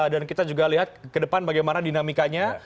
dan kita juga lihat ke depan bagaimana dinamikanya